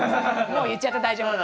もう言っちゃって大丈夫！